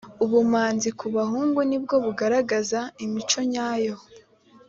ubumanzi kubahungu nibwo bugarahaza imico nyayo.